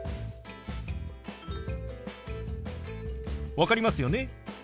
分かりますよね？